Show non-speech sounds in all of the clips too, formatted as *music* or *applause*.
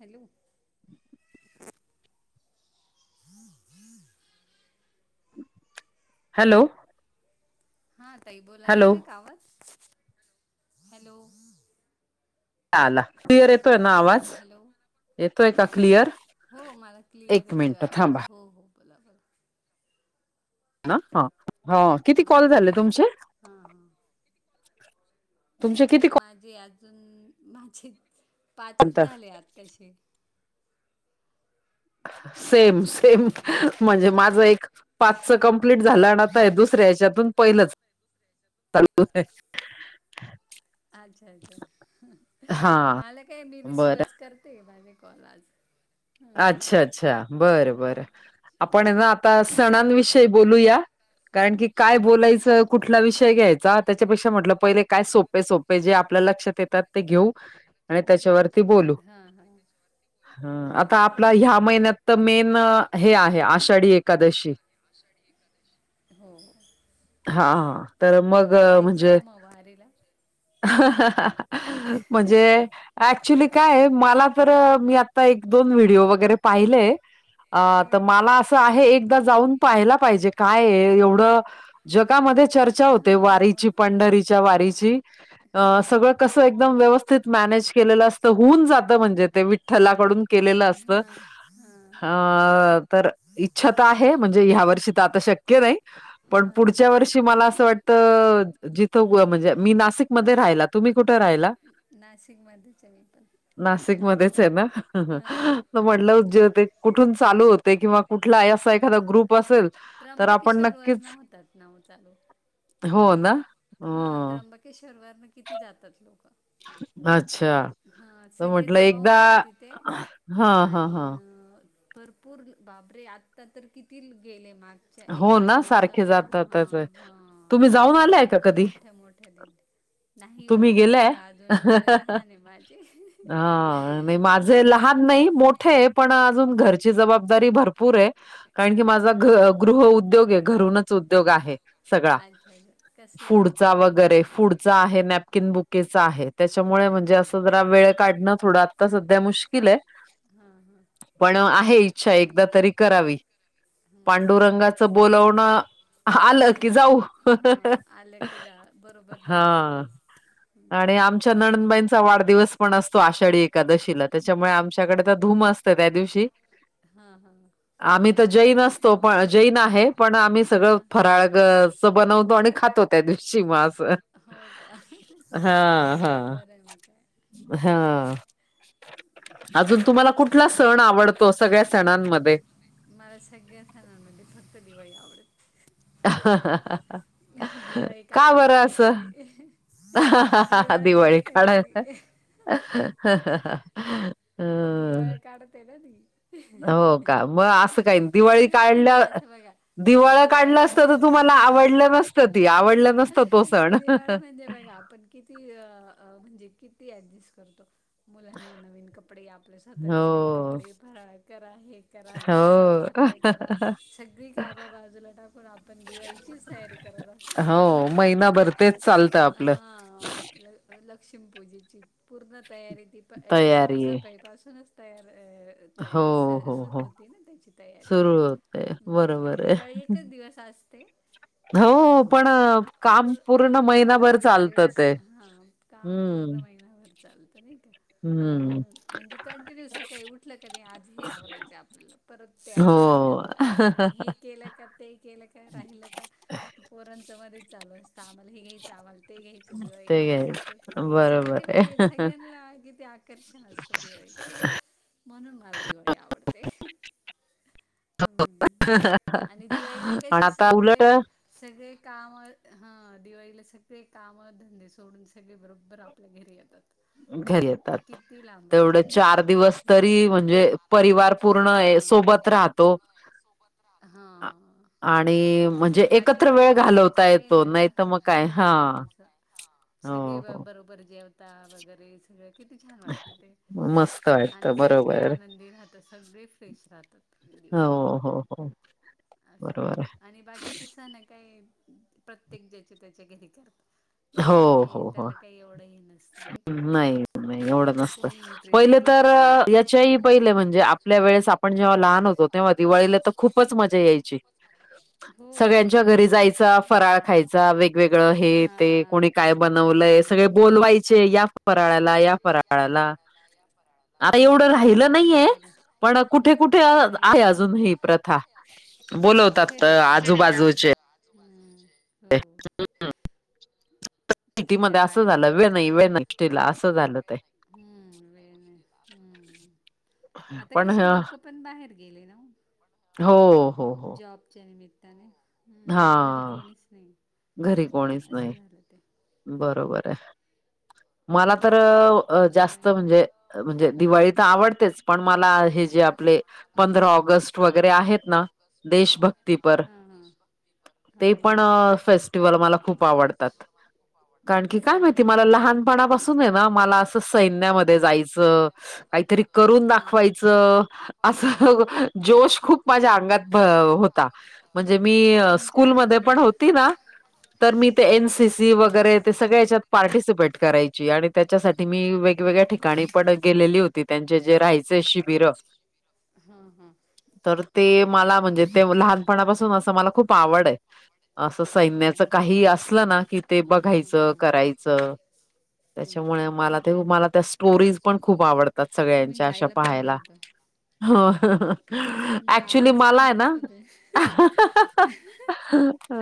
Hello. *inaudible* *inaudible* Hello. हा तई बोला हॅलो येतोय कावत हॅलो. ला क्लिअर येतोय ना आवाज. हॅलो येतोय का क्लिअर हो एक मिनट थांबा. बलावल. ना ह ह किती कॉल झाले तुमचे. हा हा. तुमचे किती माझे अजून माझे कॉल पाचच झाले आता तसे. सेम पाचच सेम. झाले म्हणजे माझं एक पाच कंप्लीट झालं आणिता आहे दुसर्या हच्यातून पहिलंच. *unintelligible* अच्छा अच्छा हा मला काय बीबीसी वच बरं करते माझे कॉल आज. हां अच्छा अच्छा बरं बरं आपण ना आता काय म्हणता सणांविषयी मग बोलूया. कारण की काय बोलायचं कुठला विषय घ्यायचा त्याच्यापेक्षा म्हटलं पहिले काय सोप े सोपे जे आपल्या लक्षात येतात ते घेऊ आणि त्याच्यावर. ते बोलू हां हां हा आ. हो आपला चालेल ह्या चालेल महिन्यात तर मेन हे आहे आषाढी एकादशी. हो. हा तर मग जायचं म्हणजे का मग वारीला म्हणजे. ऍक्च्युली काय मला तर मी आता एक दोन व्हिडिओ वगैरे पाहिलेय. अ तर हां मला असं आहे एकदा जाऊन पाहायला पाहिजे काय आहे एवढं. जगामध्ये चर्चा होते हां वारीची हो पंढरीच्या वारीची. अ हां सगळं कसं एकदम व्यवस्थित मॅनेज केलेलं असतं होऊन जातं म्हणजे ते. थलाकडून केलेलं असत. हां हां अ तर इच्छा तर आहे म्हणजे ह्या वर्षी तर आता शक्य नाही. पण हां हां पुढच्या वर्षी मला असं वाटतं जिथं म्हणजे मी नाशिकमध्येध्ये राहिला तुम्ही कुठे राहिला. नाशिक मध्ये च म पण. नाशिक मध्येच आहे ना. हां हां म्हटलं ज कुठून चालू किंवा कुठला आहे असा एखादा ग्रुप असेल. तर आपण त्र्यंबकिशोर वर नक्कीच न होतात नाव चालू. हो ना. अ, हा त्र्यंबकेशरवारन किती जातात लोक. अच्छा. हा तर सगळे म्हटलं जमा एकदा होतात तिथे हां, हां, आणि हां. भरपूर बाबरे आत्ता तर किती गेले माग. च्या एक हो आठ ना? सारखे दिवसाप हा जातातच आहे. हा तुम्ही जाऊन आलाय का तर कधी? मोठ्या मोठ्या दिं नाही हो तुम्ही कुठं गेलाय? अजून मुलं लहान आहे. माजे. हां, नाही घर ची जबाबदारी भरपूर आहे कारण की हां माझा हां ग. गृह उद्योग आहे घरूनच उद्योग आहे सगळा अच्छा अच्छा कसला फूड. वगैरे फूडचा आहे नॅपकिन बुकेचा आहे. त्याच्यामुळे म्हणजे अच्छा असं अच्छा जरा वेळ काढणं थोडं आता सध्या मुश्किल आहे. हां हां पण आहे इच्छा एकदा तरी करावी हम्म पांडुरंगाचं बोोलवणं. आलं असेल की जाऊ तेव्हा हां आलं क जा बरोबर जातं हा. माणूस आणि हम्म आमच्या नणंदबाईंचा वाढदिवस पण असतो आषाढी एकादशीला त्याच्यामुळे आमच्याकडे तर धूम असत. त्या दिवशी हां हां आम्ही तर जई नसतो. पण जैन आहे पण आम्ही सगळं हां फराळग. बनवतो आणि खातो त्या दिवशी मास. हो का बरं म का? हा अजून तुम्हाला कुठला छान सण आहे आवडत. तो सगळ्या सणांमध्ये माला सग्याना सणां मध्ये फक्त दिवाळी आवडेत. ह ह ह. दिवाळी का बरं काढायलाच अस येते ते दिवाळी काढते ना काढायच. ती ह ह. दिवाली काढते ना मी. हो का मग असं. का दिवाळी सगळं काढल्या म्हणजे असं बघा अ दिवाळ काढला दिवाळीला असत तर तुम्हाला काय आवडलं नस. त आवडलं नसत तो सण. दिवाळी म्हणजे बघा आपण किती म्हणजे किती ऍडजस्ट करतो. मुलांना नवीन कपडे आपल्यासातल नवीन हो. कपडे भ करा हे करा घर हो. साफसफ. करा सगळी काबा बाजूला टाकून आपण दिवाळीचीच तयारी करत असतो नाही का? नवराथ चालतं आपलं. हा, ल लक्ष्मी पूजेची पूर्ण तयारी ती. ए तयारी आहे. साफसफाई पासूनच हो, तयार हो, सुरु हो. होती ना त्याची. सुरू होतय हम्म, बरोबर आहे. दिवाळी एकच दिवस असते. हो पण पूर्ण अ, काम पूर्ण पंधरा महिनाभर वीस चालतं दिवस ते. हा काम पूर्ण हम्म. म्हण. किंवा वर चालतं. हम्म. म्हणून म्हणजे, कंटिन्यू सकाळी उठलं कधी आधी हे आवरायचं आपल्याला परत. ते हो. आवरायचंय आपल्याला नाही हे, केला का ते केलं का राहिलं का, पोरांच मधेच चालू असतं. कामाले हे घ्यायचं आम्हाल ते घ्यायचं, ते दिवाळीला आहे. असं तसं असं किती बरोबर म्हणजे आहे. सगळ्यांना ला किती. आकर्षण असतं दिवाळी म्हणून, मला दिवाळी आवडते. हम्म, आणि दिवाळीला पण कसे आता उलट सगळे. सगळे काम हा दिवाळीला सगळे, काम धंदे सोडून सगळे बरोबर आप आपल्या घरी येतात. घरी येतात. किती लांब तेवढं असतील चार दिवस तरी नाही का तरी म्हणजे परिवार, पूर्ण सोबत राहतो. सोबत रातो हा, आणि म्हणजे एकत्र बाकीच्या वेळ घालवता सणांचं काही नाही येतो एवढं. तर मग काय हां, अस हो सगळे हो बरोबर जेवता. वगैरे सगळे, किती छान वाटतं ते, मस्त आणि वाटतं सगळे बरोबर आनंदी राहतात. सगळी फ्रेश राहतात. हो दिवाळीला हो हो. असं बरोबर आहे आणि बाकी तिस ना काय प्रत्येक ज्याचे तेच्या घरी करतात. हो त्याला हो काही हो, त्याला काही एवढं हे नसतं का नाही नाही एवढं नसतं. कोणी इंटरेस्ट पहिले घेत तर नाही एवढा याच्याही पहिले म्हणजे, आपल्या वेळेस आपण जेव्हा लहान होतो. तेव्हा दिवाळीला तर खूप, खूपच मजा यायची. हो खूप सगळ्यांच्या घरी मजा यायची. जायचा. फराळ खायचा वेगवेगळं हे, ते वेगवेगळं कोणी काय बनवलंय, सगळे बोलवायचे या फराळाला या फराळाला. लाया फराळाला. आता एवढं राहिलं नाहीे ये, पण कुठे कुठे आहे नाहीये पण अजून ही प्रथा. बोलवतात तर आजूबाजूचे. हम हो. सिटीमध्ये असं झालं खेड्यापाड्यांमध्ये वेळ नाही चालतात. वेळ नाही असं झालं तय. हम्म, वेळ नाही. आता पण कसे लोकं पण, बाहेर गेले ना ओ. हो हो हो जॉबच्या निमित्ताने हा हम्म, घरी कोणीच नाही. घरी कोणीच असं नाही झालं ते, बरोबर. मला तर असं त्याच्यामुळे जास्त मग म्हणजे, म्हणजे दिवाळी तर आवडतेच पण मला हे जे, आपले पंधरा ऑगस्ट वगैरे आहेत ना, देशभक्तीपर काय ते पण माहिती फेस्टिवल मला खूप आवडतात. कारण की काय माहिती मला लहानपणापासून, तुम्ही ना असं सैन्यामध्ये जायचं, काहीतरी करून दाखवायचं. असं जोश खूप माझ्या अंगात होता. म्हणजे मी, इ स्कूलमध्ये पण होतीना, तर मी ते ना हां हां एनसीसी वगै वगैरे सगळच्यात पार्टिसिपेट करायची. आणि तेच्यासाठी, त मी वेगवेगळ्या ठिकाणी पण गेलेली होती, त्यांचे जे राहायचे शिबिर. ह ह. तर ते मला म्हणजे ते, लहानपणापासून असं मला खूप आवड ये. असं अच्छा सैन्याचं काही असलं ना, कि ते बघायचं करायचं. हम्म त्याच्यामुळे हम्म मला ते मला त्या, स्टोरीज पण खूप आवडतात तुम्ही सगळ्यांच्या अशा जायला पाहिजे पाहायला. होतं हो, तुमचा ऍक्च्युली आवाज मला पण आहे ना. तसाच आहे *unintelligible* अ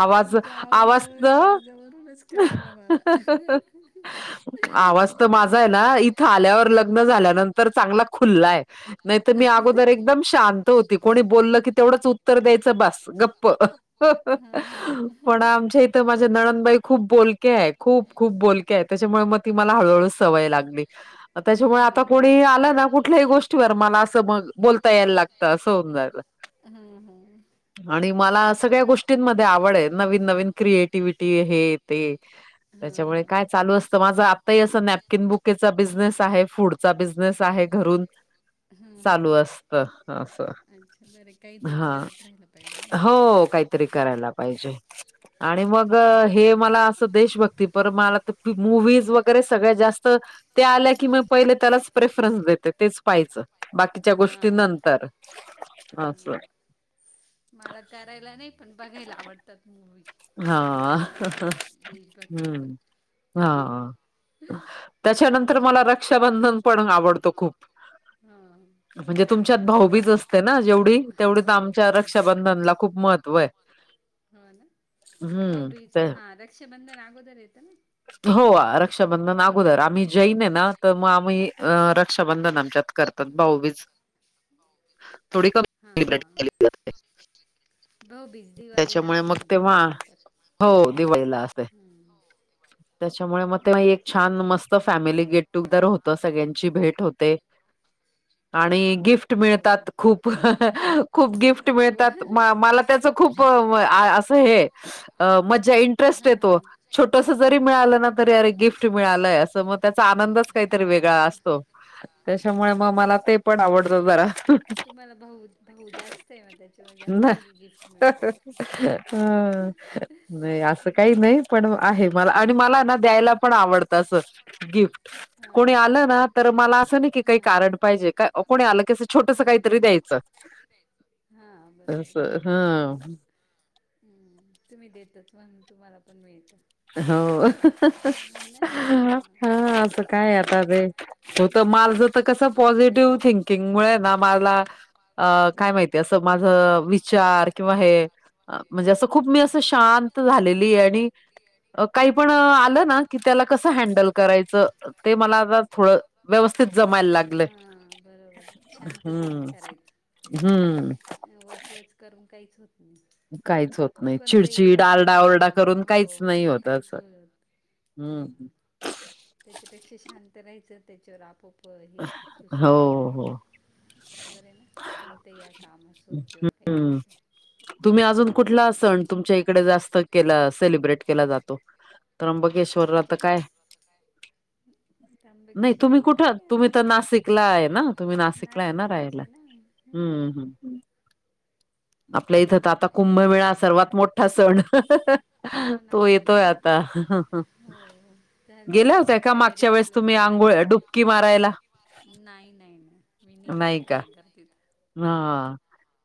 आवाज तुमच्या आवाजावर आवाजच आवाजावरूनच ह.. कळालं मला ह. आवाज तर माझा आहे ना, इथं आल्यावर लग्नं झाल्यानंतर चांगला खुल्लाय. नाही तर मी अगोदर एकदम शांत होती कोणी बोललं की तेवढंच उत्तर द्यायचं. बस गप्प ह हा हा. पण आमच्या इथं माझे नळनबाई खूप बोलके आहे खूप खूप बोलके आहे त्याच्यामुळे मग ती मला हळूहळू सवय लागली. हा त्याच्यामुळे हा आता कोणी आलं ना कुठल्याही गोष्टीवर मला असं बोलता यायला लागतं असं होऊन जालं. हम् हम्. आणि मला सगळ्या गोष्टींमध्ये आवड आहे नवीन नवीन क्रिएटिव्हटी हे ते ते त्याच्यामुळे काय चालू असतं माझं अप तही असं नॅपकिन बुकेचा बिझनेस आहे फूड चा बिझनेस आहे घरून हा *unintelligible* हा हा चालू हा असतं हा असं अच्छा बरं काहीतरी हा. करत राहिलं पाहिजे नाही का हो काहीतरी करायला पाहिजे आणि मग असं पण हे हे मला असं देशभक्ती पर मला मूविज वगैरे सगळ्यात जास्त ते आल्या की मग पहिले त्यालाच प्रेफरन्स देते तेच पाहियचं. बाकीच्या हा गोष्टी नंतर असं. हा मला करायला नाही पण बघायला आवडतं. तात मूवी हा अशा आपल्या देशभक्तीपर हम्म. *unintelligible* हा त्याच्यानंतर मला रक्षाबंधन पण आवडतो खूप हो म्हणजे तुमच्यात भाऊबीच असते ना जेवढी तेवढी हो आमच्या हो रक्षाबंधनला खूप महत्त्व हे. *unintelligible* हो ना भा बीज हा रक्षा बंधन आगोदर येत ना. हो रक्षाबंधन *unintelligible* अगोदर आम्ही जैन ना तर मग आम्ही रक्षाबंधन आमच्यात करतात बाऊवीज थोडी हा कमी *unintelligible* भाऊबिज त्याच्यामुळे मग तेव्हा हो दिवाळीला असतंय. हम्म. त्याच्यामुळे मग ते हम्म. एक छान मस्त फॅमिली गेट टु कदर होत सगळ्यांची भेट होते आणि गिफ्ट मिळतात खूप आणि ह हा खूप गिफ्ट मिळतात मला त्याचं खूप वय अस हे मजा इंटरेस्ट हे येतो छोट तस जरी मिळालं ना तरी अरे गिफ्ट मिळालंय असं मग त्याचा आनंदच काहीतरी वेगळा आनंदच असतो. त्याच्यामुळे मग मला ते पण आवडतं जरा तुम्हाला भा भाऊ जास्त आहे मग त्याच्यामुळे जास्त गिफ्ट *unintelligible* अ असतील हा अ असं काही नाही पण आहे. मला आणि मला ना द्यायला पण आवडत अस गिफ्ट हां कोणी हां आलं ना. तर मला असं नाही की काही कारण पाहिजे का कोणा? छोटस काहीतरी द्यायचं हां अस हा. हम्म तुम्ही देतात म्हणून तुम्हाला पण मिळतं. हो आहे ना *unintelligible* हां हा असं काय आता ते होत माल. किवंग माहिती *unintelligible* विचार किंवा हे म्हणजे असं खूप म्हणजे मी हम्म. असं शांत झालेली आहे आणि काही पण आलं ना की त्याला कस हँडल करायचं ते मला भग हा बरोबर शांत तेच हम्म करायचं. हम्म. वचवच करून काहीच होत नाही. काहीच होत नाही कोणतंही चिडचिड आलडा कोणतंही ओरडा काम करून काहीच हो नाही होत काहीच असं. होत हम्म. त्याच्यापेक्षा शांत राहायचं त्याच्यावर आपोप हे सुचत हो हो आपल्याला वरे ना कोणतंही या काम असो किंवा काही हम्म. असो. तुम्ही अजून कुठला सण तुमच्या इकडे जास्त केला सेलिब्रेट केला जातो. त्र्यंबकेश्वर राहत आमच्याकडे काय त्र्यंबकी नाही तुम्ही शहरला कुठ? काय तुम्ही आता तर नाशिकला आहे ना, तुम्ही नाशिकला आहे ना नाशिकलाच राहायला आहे ना हम्म. आपल्या इथं तर आता कुंभमेळा सर्वात मोठा सण हो ना तो येत. होय हां आता.. हो हो चाल गेल्या होता त्याची का तयारी मागच्या वेळेस चालू आहे आता अंगुळ नाशिक डुबकी मारायला? नाही नाही नाही मी नाही जाते एवढ्या गर्दीत. हा.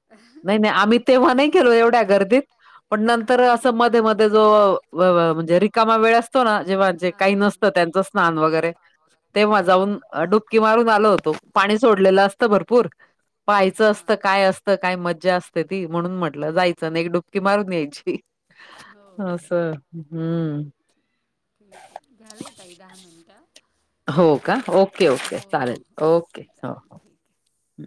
अ. नाही नाही आम्ही तेव्हा नाही गेलो एवढ्या गर्दीत. पण नंतर अस मध्ये मध्ये जो, म्हणजे रिकामा वेळ असतो ना जेव्हा जे हा काही नसतं त्यांच. स्नान वगैरे तेव्हा हा जाऊन डुबकी मारून आलो होतो. पाणी सोडलेलं असत भरपूर पहायचं हा असतं काय असतं. काय मज्जा असते ती म्हणून म्हटलं जायचं ना एक डुबकी मारून यायची. हो बरोबर असं हम्म. ठीक आहे, झाले ताई दहा मिनट. हो का? Okay, okay. हो हो चालेल. ओके हो, चालेल हो. ठीक. आहे हं.